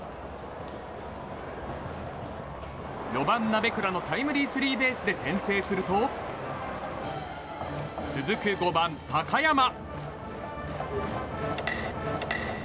４番、鍋倉のタイムリースリーベースで先制すると続く５番、高山。